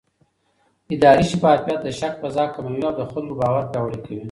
اداري شفافیت د شک فضا کموي او د خلکو باور پیاوړی کوي